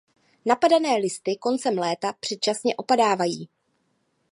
Napadené listy koncem léta předčasně opadávají.